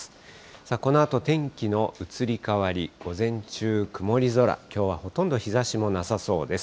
さあ、このあと天気の移り変わり、午前中、曇り空、きょうはほとんど日ざしもなさそうです。